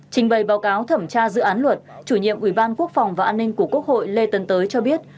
trình bày báo cáo thẩm tra dự án luật chủ nhiệm ủy ban quốc phòng và an ninh của quốc hội lê tấn tới cho biết